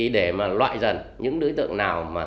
để loại dần những đối tượng nào